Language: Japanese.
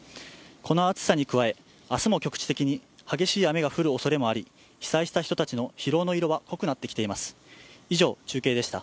この暑さに加え、明日も局地的に激しい雨が降るおそれもあり被災した人たちの疲労の色は濃くなってきています。